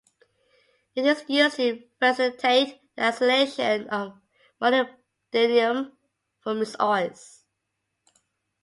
It is used to facilitate the isolation of molybdenum from its ores.